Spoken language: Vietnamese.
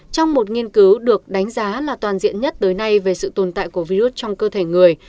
trong một nghiên cứu được đánh giá là toàn diện nhất tới nay về sự tồn tại của virus trong cơ thể người